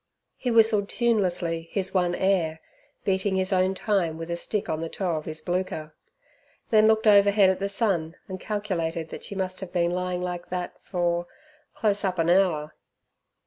He whistled tunelessly his one air, beating his own time with a stick on the toe of his blucher, then looked overhead at the sun and calculated that she must have been lying like that for "close up an hour".